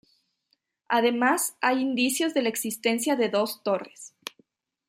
Además, hay indicios de la existencia de dos torres.